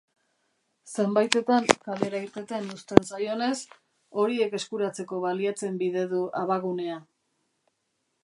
Zenbaitetan kalera irteten uzten zaionez, horiek eskuratzeko baliatzen bide du abagunea.